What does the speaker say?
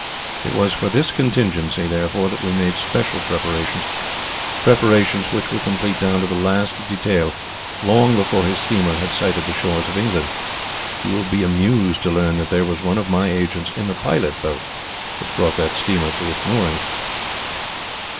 It was for this contingency, therefore, that we made special preparations preparations which were complete down to the last detail long before his steamer had sighted the shores of England. You will be amused to learn that there was one of my agents in the pilot boat which brought that steamer to its moorings.